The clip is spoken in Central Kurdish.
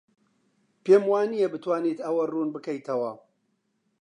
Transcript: پێم وانییە بتوانیت ئەوە ڕوون بکەیتەوە.